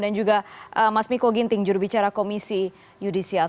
dan juga mas miko ginting jurubicara komisi yudisial